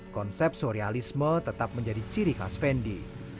konsep surrealisme tetap menjadi ciri khas effendi